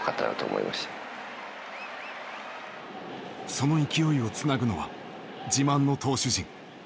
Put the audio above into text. その勢いをつなぐのは自慢の投手陣。